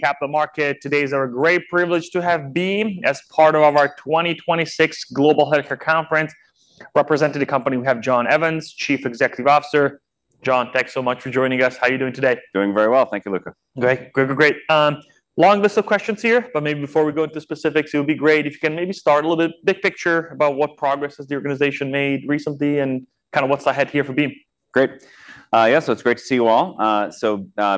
Capital market. Today it's our great privilege to have Beam as part of our 2026 Global Healthcare Conference. Representing the company we have John Evans, Chief Executive Officer. John, thanks so much for joining us. How are you doing today? Doing very well, thank you, Luca. Great. Long list of questions here, but maybe before we go into specifics, it would be great if you can maybe start a little bit big picture about what progress has the organization made recently, and kind of what's ahead here for Beam. Great. It's great to see you all.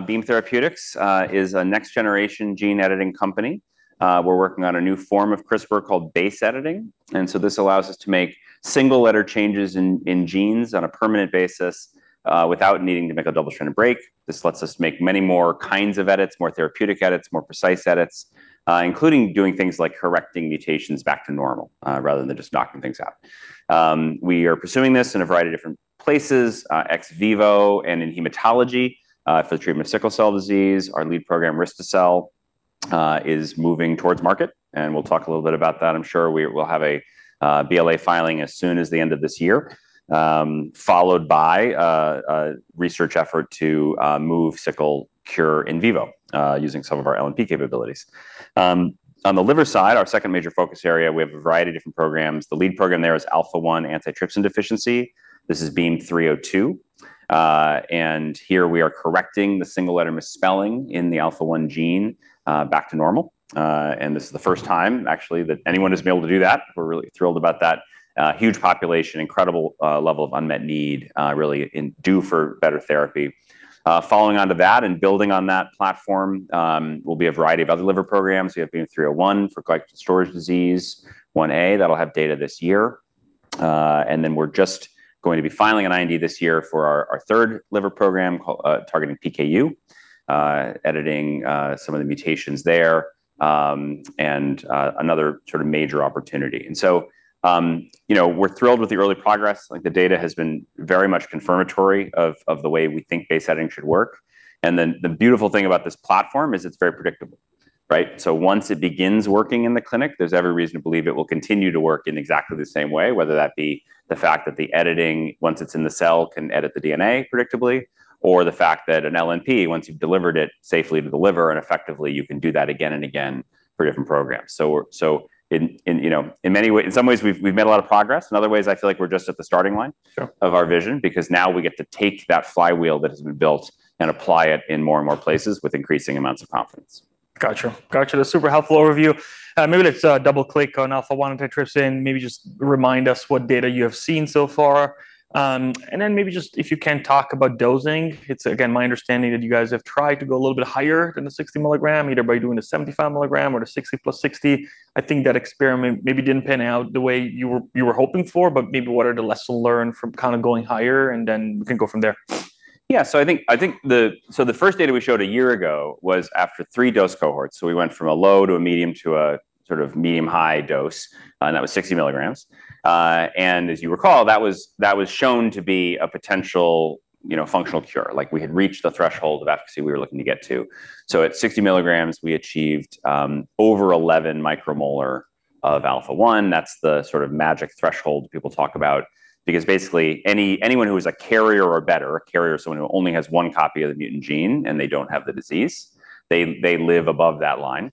Beam Therapeutics is a next-generation gene-editing company. We're working on a new form of CRISPR called base editing. This allows us to make single letter changes in genes on a permanent basis, without needing to make a double strand break. This lets us make many more kinds of edits, more therapeutic edits, more precise edits, including doing things like correcting mutations back to normal, rather than just knocking things out. We are pursuing this in a variety of different places, ex vivo and in hematology, for the treatment of sickle cell disease. Our lead program, risto-cel, is moving towards market. We'll talk a little bit about that, I'm sure. We'll have a BLA filing as soon as the end of this year, followed by a research effort to move sickle cure in vivo, using some of our LNP capabilities. On the liver side, our second major focus area, we have a variety of different programs. The lead program there is Alpha-1 antitrypsin deficiency. This is BEAM-302. Here we are correcting the single letter misspelling in the Alpha-1 gene, back to normal. This is the first time actually that anyone has been able to do that. We're really thrilled about that. Huge population, incredible level of unmet need, really in due for better therapy. Following onto that and building on that platform, will be a variety of other liver programs. We have BEAM-301 for glycogen storage disease, Ia. That'll have data this year. We're just going to be filing an IND this year for our third liver program, targeting PKU, editing some of the mutations there, and another sort of major opportunity. We're thrilled with the early progress. The data has been very much confirmatory of the way we think base editing should work. The beautiful thing about this platform is it's very predictable. Right. Once it begins working in the clinic, there's every reason to believe it will continue to work in exactly the same way, whether that be the fact that the editing, once it's in the cell, can edit the DNA predictably, or the fact that an LNP, once you've delivered it safely to the liver and effectively, you can do that again and again for different programs. In some ways, we've made a lot of progress. In other ways, I feel like we're just at the starting line. Sure Of our vision, because now we get to take that flywheel that has been built and apply it in more and more places with increasing amounts of confidence. Got you. That's a super helpful overview. Maybe let's double-click on Alpha-1 antitrypsin, maybe just remind us what data you have seen so far. Maybe just if you can talk about dosing. It's, again, my understanding that you guys have tried to go a little bit higher than the 60 mg, either by doing a 75 mg or the 60+60. I think that experiment maybe didn't pan out the way you were hoping for, but maybe what are the lessons learned from going higher, and then we can go from there. Yeah. The first data we showed a year ago was after three dose cohorts. We went from a low, to a medium, to a sort of medium-high dose, and that was 60 mg. As you recall, that was shown to be a potential functional cure. We had reached the threshold of efficacy we were looking to get to. At 60 mg, we achieved over 11 micromolar of Alpha-1. That's the sort of magic threshold people talk about. Basically, anyone who is a carrier or better, a carrier is someone who only has one copy of the mutant gene and they don't have the disease, they live above that line.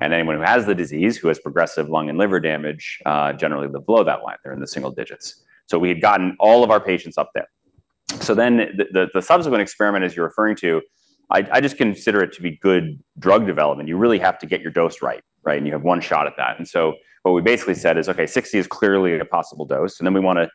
Anyone who has the disease, who has progressive lung and liver damage, generally they're below that line. They're in the single digits. We had gotten all of our patients up there. The subsequent experiment, as you're referring to, I just consider it to be good drug development. You really have to get your dose right. You have one shot at that. What we basically said is, okay, 60 is clearly a possible dose, then we want to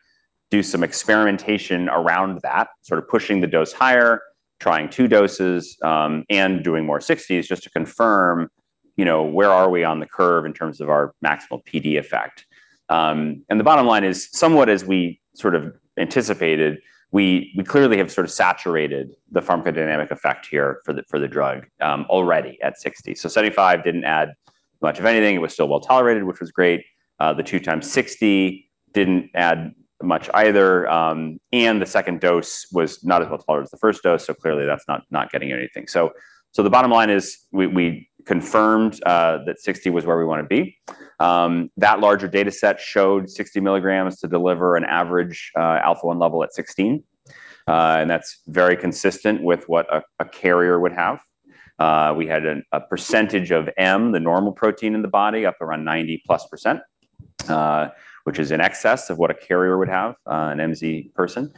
do some experimentation around that, sort of pushing the dose higher, trying two doses, and doing more 60s just to confirm where are we on the curve in terms of our maximal PD effect. The bottom line is, somewhat as we sort of anticipated, we clearly have sort of saturated the pharmacodynamic effect here for the drug already at 60. 75 didn't add much of anything, it was still well-tolerated, which was great. The 2x60 didn't add much either. The second dose was not as well-tolerated as the first dose, clearly that's not getting anything. The bottom line is we confirmed that 60 was where we want to be. That larger data set showed 60 mg to deliver an average Alpha-1 level at 16. That's very consistent with what a carrier would have. We had a percentage of M, the normal protein in the body, up around 90%+, which is in excess of what a carrier would have, an MZ person.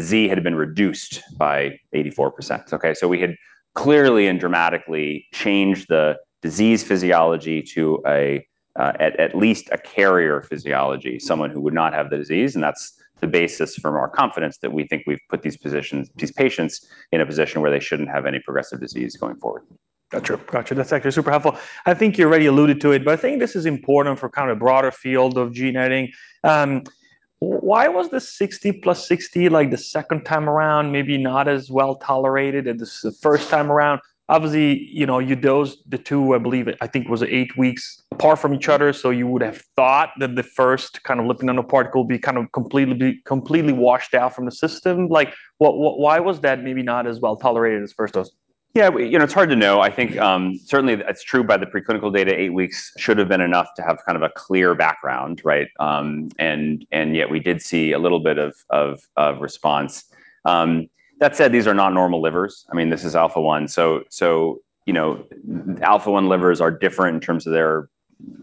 Z had been reduced by 84%. Okay? We had clearly and dramatically changed the disease physiology to at least a carrier physiology, someone who would not have the disease, and that's the basis from our confidence that we think we've put these patients in a position where they shouldn't have any progressive disease going forward. Got you. That's actually super helpful. I think you already alluded to it, but I think this is important for kind of broader field of gene editing. Why was the 60+60 the second time around maybe not as well tolerated as the first time around? Obviously, you dosed the two, I believe, I think it was eight weeks apart from each other, so you would have thought that the first kind of lipid nanoparticle would be kind of completely washed out from the system. Why was that maybe not as well tolerated as the first dose? Yeah. It's hard to know. I think, certainly it's true by the preclinical data, eight weeks should've been enough to have kind of a clear background, right? Yet we did see a little bit of response. That said, these are not normal livers. This is Alpha-1. Alpha-1 livers are different in terms of their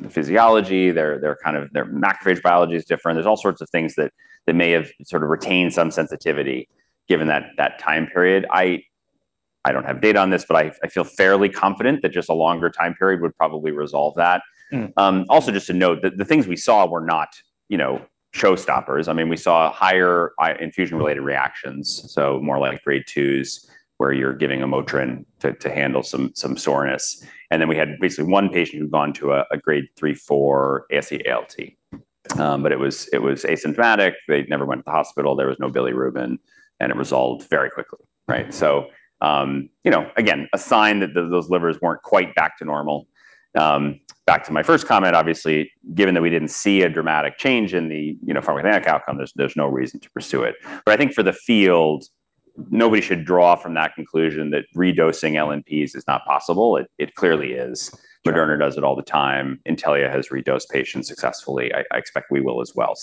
physiology, their macrophage biology is different. There's all sorts of things that may have sort of retained some sensitivity given that time period. I don't have data on this, but I feel fairly confident that just a longer time period would probably resolve that. Just to note that the things we saw were not show-stoppers. We saw higher infusion-related reactions, so more like grade twos, where you're giving MOTRIN to handle some soreness. We had basically one patient who'd gone to a grade three for AST/ALT. It was asymptomatic. They never went to the hospital. There was no bilirubin, and it resolved very quickly. Right? Again, a sign that those livers weren't quite back to normal. Back to my first comment, obviously, given that we didn't see a dramatic change in the pharmacodynamic outcome, there's no reason to pursue it. I think for the field, nobody should draw from that conclusion that redosing LNPs is not possible. It clearly is. Sure. Moderna does it all the time. Intellia has redosed patients successfully. I expect we will as well.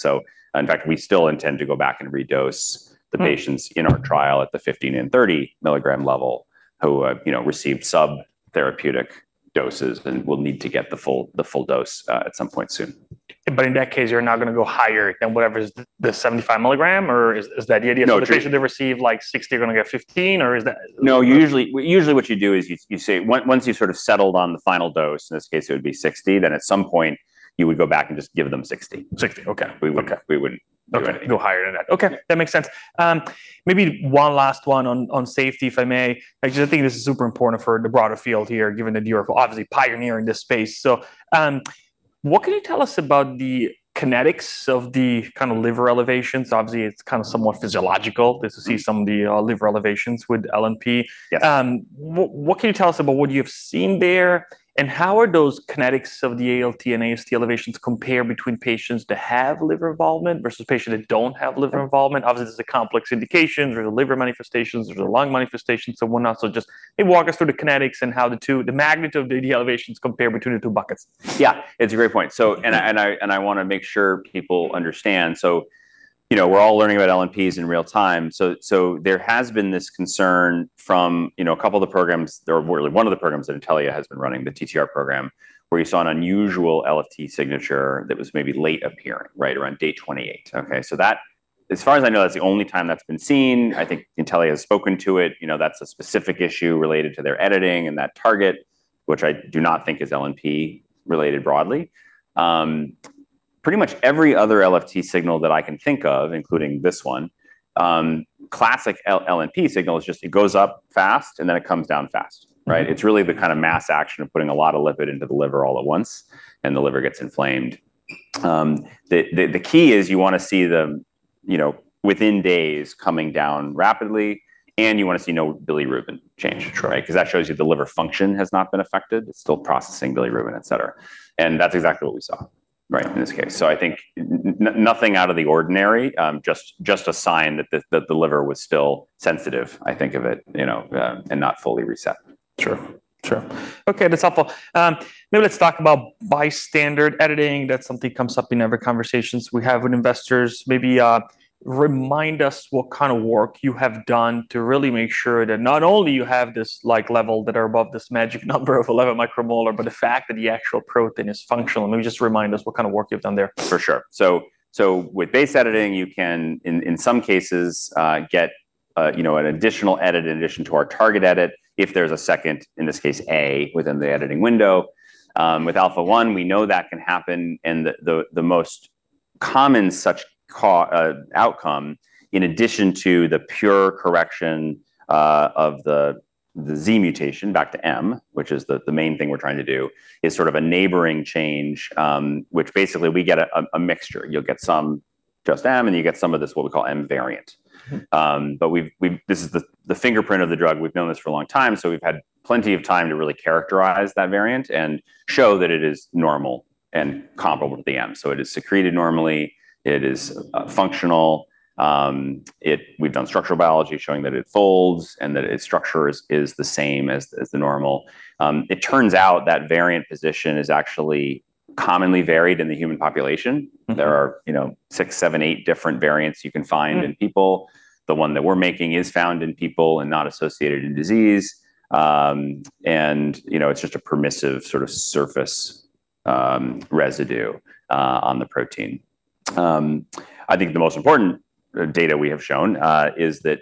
In fact, we still intend to go back and redose the patients in our trial at the 15 mg and 30 mg level, who received subtherapeutic doses and will need to get the full dose at some point soon. In that case, you're not going to go higher than whatever is the 75 mg, or is that the idea? No. The patient that received 60 are going to get 15, or is that? No, usually what you do is you say, once you've sort of settled on the final dose, in this case it would be 60, then at some point you would go back and just give them 60. 60. Okay. Okay. We wouldn't do anything. Go higher than that. Okay. That makes sense. Maybe one last one on safety, if I may. I just think this is super important for the broader field here, given that you are obviously pioneering this space. What can you tell us about the kinetics of the kind of liver elevations? Obviously, it's kind of somewhat physiological to see some of the liver elevations with LNP. Yes. What can you tell us about what you've seen there, and how are those kinetics of the ALT and AST elevations compare between patients that have liver involvement versus patients that don't have liver involvement? Obviously, this is a complex indication. There's the liver manifestations, there's the lung manifestations, so whatnot. Just maybe walk us through the kinetics and how the magnitude of the elevations compare between the two buckets. Yeah, it's a great point. I want to make sure people understand. We're all learning about LNPs in real time. There has been this concern from a couple of the programs. There were really one of the programs that Intellia has been running, the TTR program, where you saw an unusual LFT signature that was maybe late appearing, right around day 28. Okay? As far as I know, that's the only time that's been seen. I think Intellia has spoken to it. That's a specific issue related to their editing and that target, which I do not think is LNP related broadly. Pretty much every other LFT signal that I can think of, including this one, classic LNP signal is just it goes up fast and then it comes down fast. Right? It's really the kind of mass action of putting a lot of lipid into the liver all at once and the liver gets inflamed. The key is you want to see them within days coming down rapidly, and you want to see no bilirubin change. Sure. Right. Because that shows you the liver function has not been affected. It's still processing bilirubin, et cetera. That's exactly what we saw, right, in this case. I think nothing out of the ordinary, just a sign that the liver was still sensitive, I think of it, and not fully reset. Sure. Sure. Okay, that's helpful. Maybe let's talk about bystander editing. That's something comes up in every conversation we have with investors. Maybe remind us what kind of work you have done to really make sure that not only you have this level that are above this magic number of 11 micromolar, but the fact that the actual protein is functional. Maybe just remind us what kind of work you've done there. For sure. With base editing, you can, in some cases, get an additional edit in addition to our target edit, if there's a second, in this case, A within the editing window. With Alpha-1, we know that can happen, and the most common such outcome, in addition to the pure correction of the Z mutation back to M, which is the main thing we're trying to do, is sort of a neighboring change, which basically we get a mixture. You'll get some just M, and you get some of this what we call M variant. This is the fingerprint of the drug. We've known this for a long time, so we've had plenty of time to really characterize that variant and show that it is normal and comparable to the M. It is secreted normally. It is functional. We've done structural biology showing that it folds and that its structure is the same as the normal. It turns out that variant position is actually commonly varied in the human population. There are six, seven, eight different variants you can find in people. The one that we're making is found in people and not associated in disease. It's just a permissive sort of surface residue on the protein. I think the most important data we have shown is that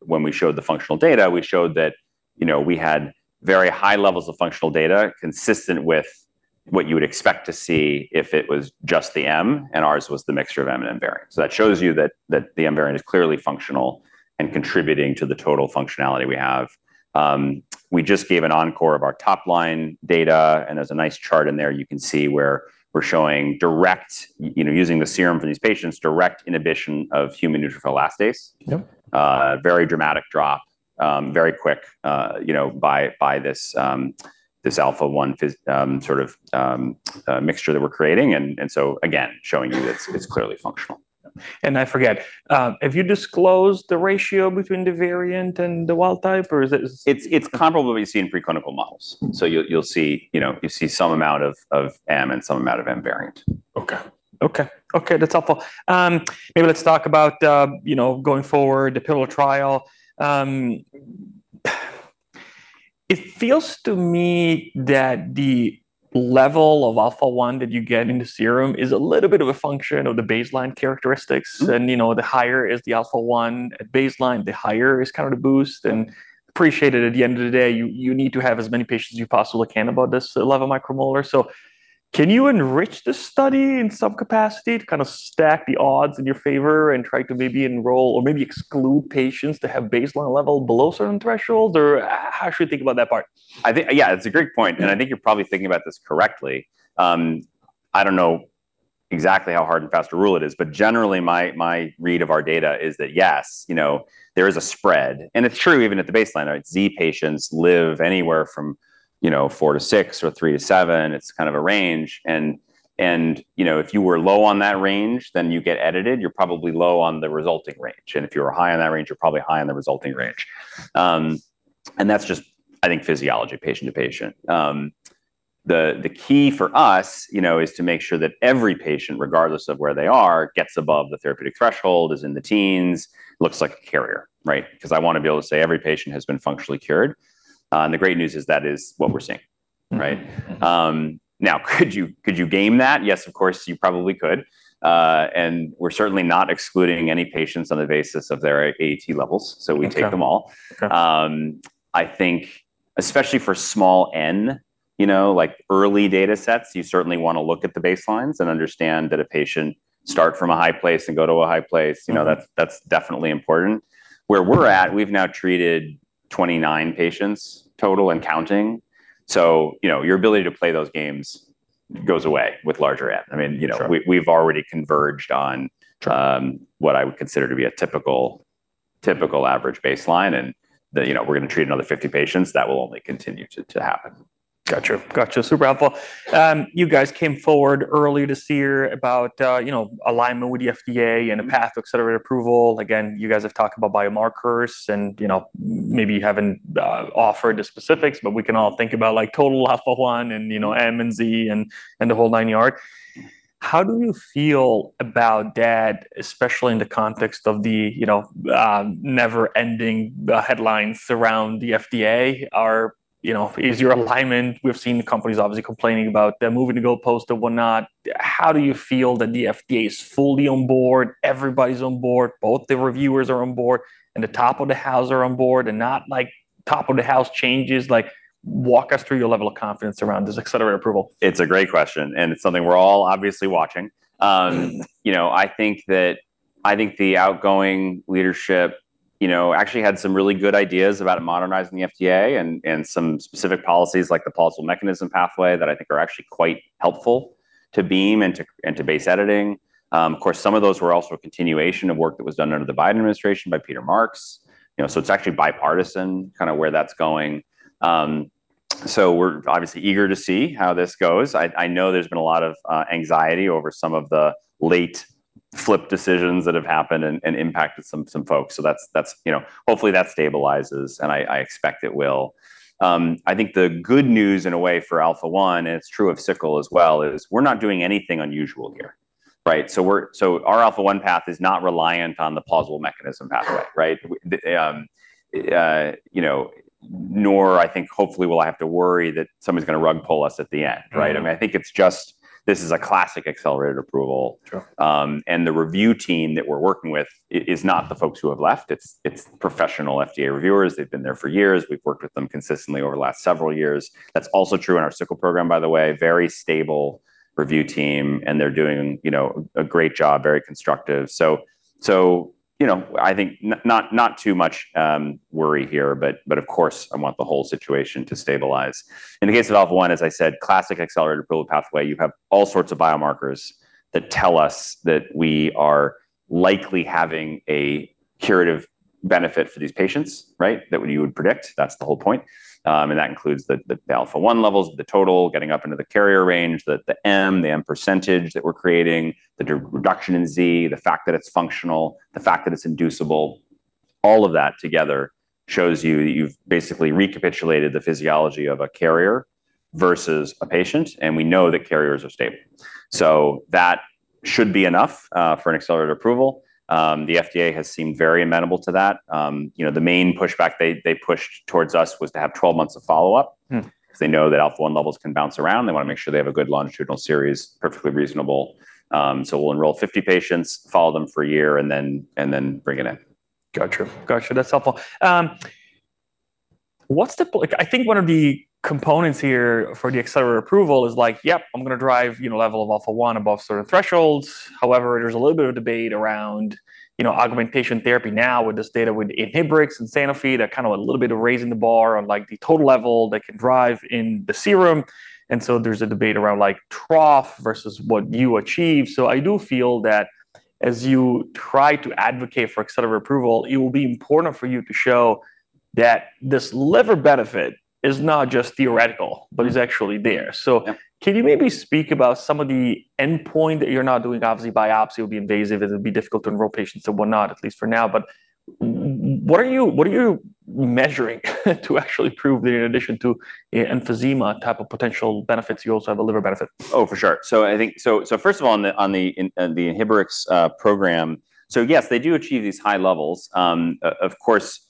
when we showed the functional data, we showed that we had very high levels of functional data consistent with what you would expect to see if it was just the M and ours was the mixture of M and M variant. That shows you that the M variant is clearly functional and contributing to the total functionality we have. We just gave an encore of our top-line data, and there's a nice chart in there you can see where we're showing direct, using the serum from these patients, direct inhibition of human neutrophil elastase. Yep. Very dramatic drop, very quick by this Alpha-1 sort of mixture that we're creating. Again, showing you it's clearly functional. I forget, have you disclosed the ratio between the variant and the wild type? It's comparable to what we see in preclinical models. You see some amount of M and some amount of M variant. Okay. That's helpful. Maybe let's talk about going forward, the pillar trial. It feels to me that the level of Alpha-1 that you get in the serum is a little bit of a function of the baseline characteristics. The higher is the Alpha-1 at baseline, the higher is the boost, and appreciate at the end of the day, you need to have as many patients as you possibly can above this level micromolar. Can you enrich this study in some capacity to stack the odds in your favor and try to maybe enroll or maybe exclude patients to have baseline level below certain thresholds, or how should we think about that part? Yeah, it's a great point. I think you're probably thinking about this correctly. I don't know exactly how hard and fast a rule it is, but generally, my read of our data is that yes, there is a spread. It's true even at the baseline. Z patients live anywhere from four to six or three to seven. It's kind of a range. If you were low on that range, then you get edited, you're probably low on the resulting range. If you're high on that range, you're probably high on the resulting range. That's just I think physiology patient to patient. The key for us is to make sure that every patient, regardless of where they are, gets above the therapeutic threshold, is in the teens, looks like a carrier, right? Because I want to be able to say every patient has been functionally cured. The great news is that is what we're seeing. Right? Now, could you game that? Yes, of course, you probably could. We're certainly not excluding any patients on the basis of their AAT levels, so we take them all. Got you. I think especially for small N, like early data sets, you certainly want to look at the baselines and understand that a patient start from a high place and go to a high place. That's definitely important. Where we're at, we've now treated 29 patients total and counting. Your ability to play those games goes away with larger N. Sure. We've already converged on- Sure what I would consider to be a typical average baseline, and we're going to treat another 50 patients, that will only continue to happen. Got you. Super helpful. You guys came forward early this year about alignment with the FDA and a path to accelerated approval. You guys have talked about biomarkers and maybe you haven't offered the specifics, but we can all think about total Alpha-1 and MZ and the whole nine yards. How do you feel about that, especially in the context of the never-ending headlines around the FDA? We've seen companies obviously complaining about them moving goalposts and whatnot. How do you feel that the FDA is fully on board, everybody's on board, both the reviewers are on board, and the top of the house are on board and not top of the house changes? Walk us through your level of confidence around this accelerated approval. It's a great question, and it's something we're all obviously watching. I think the outgoing leadership actually had some really good ideas about modernizing the FDA and some specific policies like the plausible mechanism pathway that I think are actually quite helpful to Beam and to base editing. Of course, some of those were also a continuation of work that was done under the Biden administration by Peter Marks, so it's actually bipartisan where that's going. We're obviously eager to see how this goes. I know there's been a lot of anxiety over some of the late flip decisions that have happened and impacted some folks. Hopefully that stabilizes, and I expect it will. I think the good news in a way for Alpha-1, and it's true of Sickle as well, is we're not doing anything unusual here, right? Our Alpha-1 path is not reliant on the Plausible Mechanism Pathway, right? Nor I think hopefully will I have to worry that somebody's going to rug pull us at the end, right? I think it's just this is a classic accelerated approval. Sure. The review team that we're working with is not the folks who have left, it's professional FDA reviewers. They've been there for years. We've worked with them consistently over the last several years. That's also true in our Sickle program, by the way, very stable review team, and they're doing a great job, very constructive. I think not too much worry here, but of course, I want the whole situation to stabilize. In the case of Alpha-1, as I said, classic accelerated approval pathway. You have all sorts of biomarkers that tell us that we are likely having a curative benefit for these patients, right? That you would predict. That's the whole point. That includes the Alpha-1 levels, the total, getting up into the carrier range, the M, the M percentage that we're creating, the reduction in Z, the fact that it's functional, the fact that it's inducible. All of that together shows you that you've basically recapitulated the physiology of a carrier versus a patient, and we know that carriers are stable. That should be enough for an accelerated approval. The FDA has seemed very amenable to that. The main pushback they pushed towards us was to have 12 months of follow-up because they know that Alpha-1 levels can bounce around. They want to make sure they have a good longitudinal series, perfectly reasonable. We'll enroll 50 patients, follow them for a year, and then bring it in. Got you. That's helpful. I think one of the components here for the accelerated approval is like, yep, I am going to drive a level of Alpha-1 above certain thresholds. There's a little bit of debate around augmentation therapy now with this data with Inhibrx and Sanofi that kind of a little bit of raising the bar on the total level that can drive in the serum. There's a debate around trough versus what you achieve. I do feel that as you try to advocate for accelerated approval, it will be important for you to show that this liver benefit is not just theoretical, but is actually there. Yeah. Can you maybe speak about some of the endpoint that you're now doing? Obviously, biopsy will be invasive, it'll be difficult to enroll patients and whatnot, at least for now. What are you measuring to actually prove that in addition to emphysema type of potential benefits, you also have a liver benefit? Oh, for sure. First of all, on the Inhibrx program, yes, they do achieve these high levels. Of course,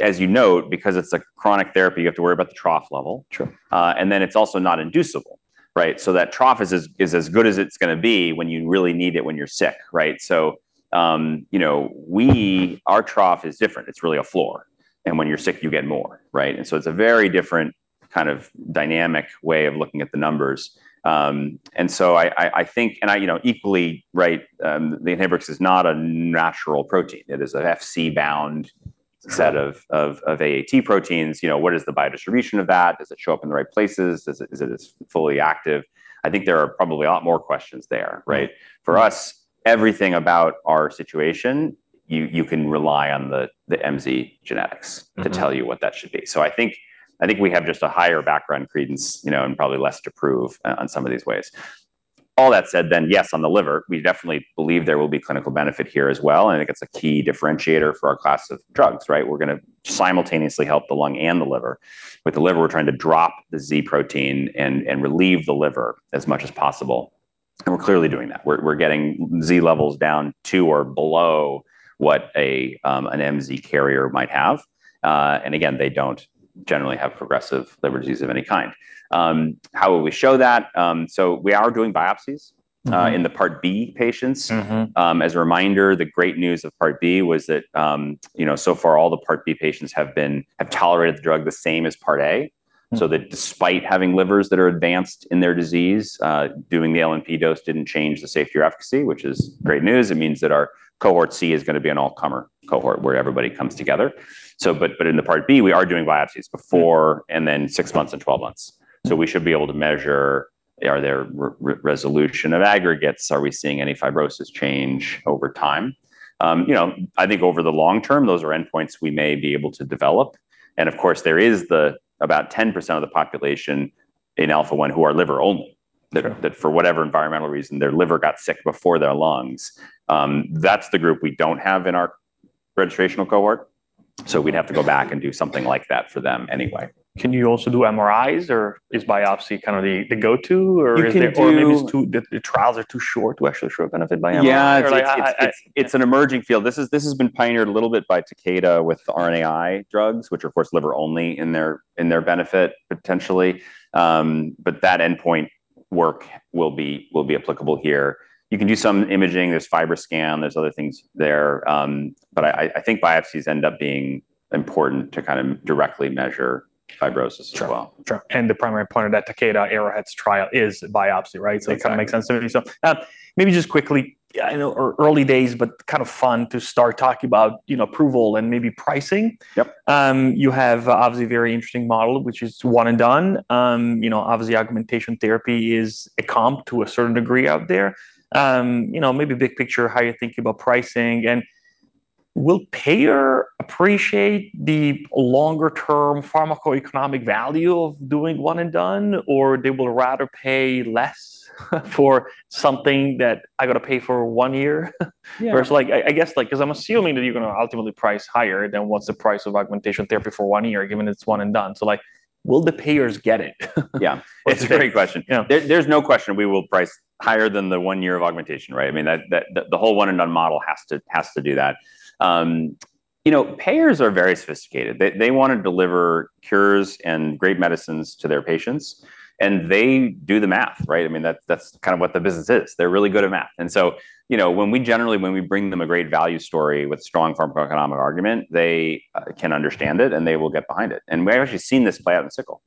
as you note, because it's a chronic therapy, you have to worry about the trough level. Sure. It's also not inducible, right? That trough is as good as it's going to be when you really need it when you're sick, right? Our trough is different. It's really a floor, and when you're sick, you get more, right? It's a very different kind of dynamic way of looking at the numbers. Equally, the inhibitor is not a natural protein. It is an Fc-bound set of AAT proteins. What is the biodistribution of that? Does it show up in the right places? Is it fully active? I think there are probably a lot more questions there, right? For us, everything about our situation, you can rely on the MZ genetics to tell you what that should be. I think we have just a higher background credence, and probably less to prove on some of these ways. All that said, yes, on the liver, we definitely believe there will be clinical benefit here as well. I think it's a key differentiator for our class of drugs, right? We're going to simultaneously help the lung and the liver. With the liver, we're trying to drop the Z protein and relieve the liver as much as possible. We're clearly doing that. We're getting Z levels down to or below what an MZ carrier might have. Again, they don't generally have progressive liver disease of any kind. How will we show that? We are doing biopsies in the Part B patients. As a reminder, the great news of Part B was that so far all the Part B patients have tolerated the drug the same as Part A, so that despite having livers that are advanced in their disease, doing the LNP dose didn't change the safety or efficacy, which is great news. It means that our cohort C is going to be an all-comer cohort where everybody comes together. In the Part B, we are doing biopsies before, and then six months and 12 months. We should be able to measure are there resolution of aggregates? Are we seeing any fibrosis change over time? I think over the long term, those are endpoints we may be able to develop. Of course, there is about 10% of the population in Alpha-1 who are liver only, that for whatever environmental reason, their liver got sick before their lungs. That's the group we don't have in our registrational cohort, so we'd have to go back and do something like that for them anyway. Can you also do MRIs, or is biopsy kind of the go-to, or maybe the trials are too short to actually show a benefit by MRI? Yeah. It's an emerging field. This has been pioneered a little bit by Takeda with the RNAi drugs, which are, of course, liver only in their benefit, potentially. That endpoint work will be applicable here. You can do some imaging. There's FibroScan, there's other things there. I think biopsies end up being important to kind of directly measure fibrosis as well. Sure. The primary point of that Takeda Arrowhead trial is biopsy, right? Exactly. It kind of makes sense to me. Maybe just quickly, I know early days, but kind of fun to start talking about approval and maybe pricing. Yep. You have obviously a very interesting model, which is one and done. Obviously augmentation therapy is a comp to a certain degree out there. Maybe big picture, how you're thinking about pricing, will payer appreciate the longer term pharmacoeconomic value of doing one and done, or they will rather pay less for something that I got to pay for one year? Yeah. I guess because I'm assuming that you're going to ultimately price higher, what's the price of augmentation therapy for one year, given it's one and done? Will the payers get it? Yeah. It's a great question. Yeah. There's no question we will price higher than the one year of augmentation, right? I mean, the whole one and done model has to do that. Payers are very sophisticated. They want to deliver cures and great medicines to their patients, and they do the math, right? I mean, that's kind of what the business is. They're really good at math. Generally, when we bring them a great value story with strong pharmacoeconomic argument, they can understand it, and they will get behind it. We've actually seen this play out in sickle,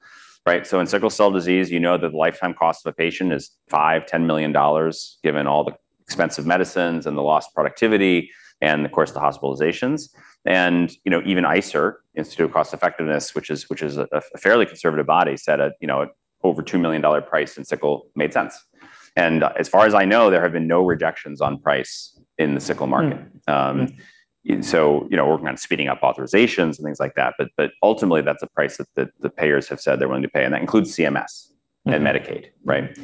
right? In sickle cell disease, you know that the lifetime cost of a patient is $5 million-$10 million, given all the expensive medicines and the lost productivity and, of course, the hospitalizations. Even ICER, Institute for Clinical and Economic Review, which is a fairly conservative body, said over a $2 million price in sickle cell disease made sense. As far as I know, there have been no rejections on price in the sickle cell disease market. Working on speeding up authorizations and things like that, but ultimately that's a price that the payers have said they're willing to pay, and that includes CMS and Medicaid, right?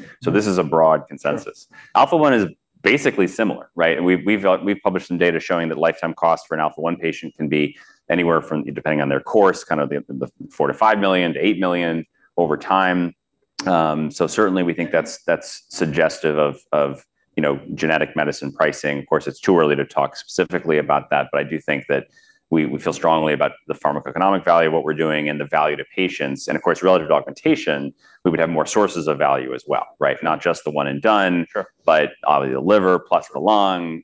Alpha-1 is basically similar, right? We've published some data showing that lifetime cost for an Alpha-1 patient can be anywhere from, depending on their course, kind of the $4 million-$5 million to $8 million over time. Certainly we think that's suggestive of genetic medicine pricing. Of course, it's too early to talk specifically about that. I do think that we feel strongly about the pharmacoeconomic value of what we're doing and the value to patients. Of course, relative to augmentation, we would have more sources of value as well, right? Not just the one and done. Sure Obviously the liver plus the lung,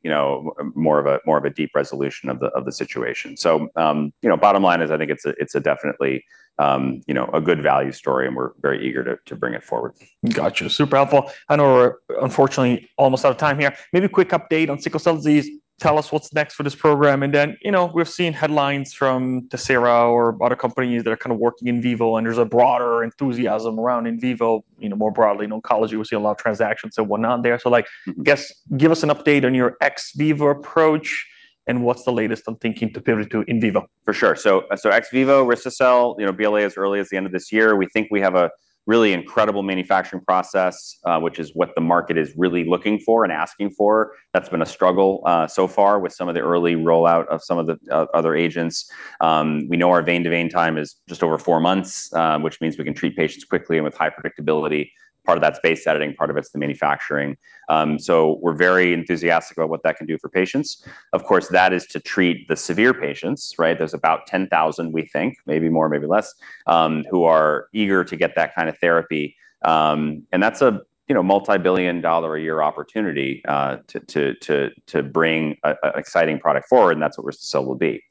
more of a deep resolution of the situation. Bottom line is I think it's definitely a good value story, and we're very eager to bring it forward. Got you. Super helpful. I know we're unfortunately almost out of time here. Maybe a quick update on sickle cell disease. Tell us what's next for this program, and then we've seen headlines from Tessera or other companies that are kind of working in vivo, and there's a broader enthusiasm around in vivo more broadly in oncology. We see a lot of transactions and whatnot there. I guess give us an update on your ex vivo approach, and what's the latest on thinking to pivot to in vivo? For sure. Ex vivo, risto-cel, BLA as early as the end of this year. We think we have a really incredible manufacturing process, which is what the market is really looking for and asking for. That's been a struggle so far with some of the early rollout of some of the other agents. We know our vein-to-vein time is just over four months, which means we can treat patients quickly and with high predictability. Part of that's base editing, part of it's the manufacturing. We're very enthusiastic about what that can do for patients. Of course, that is to treat the severe patients, right? There's about 10,000, we think, maybe more, maybe less, who are eager to get that kind of therapy. That's a multi-billion dollar a year opportunity to bring an exciting product forward, and that's what risto-cel will be.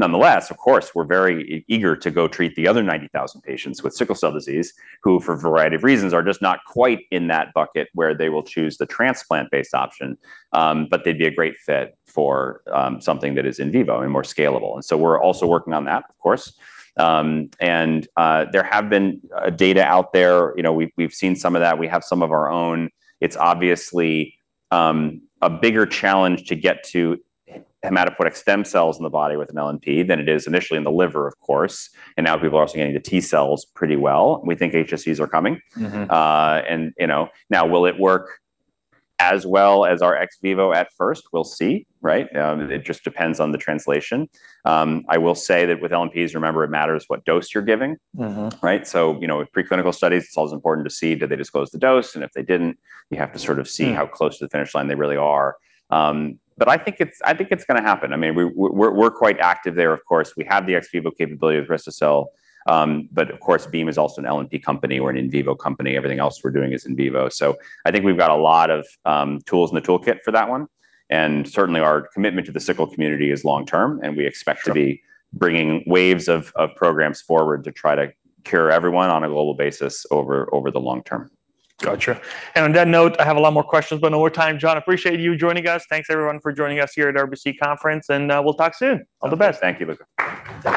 Of course, we're very eager to go treat the other 90,000 patients with sickle cell disease who, for a variety of reasons, are just not quite in that bucket where they will choose the transplant-based option. They'd be a great fit for something that is in vivo and more scalable. We're also working on that, of course. There have been data out there. We've seen some of that. We have some of our own. It's obviously a bigger challenge to get to hematopoietic stem cells in the body with an LNP than it is initially in the liver, of course. Now people are also getting to T cells pretty well. We think HSCs are coming. Will it work as well as our ex vivo at first? We'll see, right? It just depends on the translation. I will say that with LNPs, remember, it matters what dose you're giving. Right. With preclinical studies, it's always important to see did they disclose the dose? If they didn't, you have to sort of see how close to the finish line they really are. I think it's going to happen. I mean, we're quite active there. Of course, we have the ex vivo capability with risto-cel. Of course, Beam is also an LNP company. We're an in vivo company. Everything else we're doing is in vivo. I think we've got a lot of tools in the toolkit for that one. Certainly our commitment to the sickle community is long term, and we expect to be bringing waves of programs forward to try to cure everyone on a global basis over the long term. Got you. On that note, I have a lot more questions, but no more time. John, appreciate you joining us. Thanks everyone for joining us here at RBC Conference, and we'll talk soon. All the best. Thank you, Luca.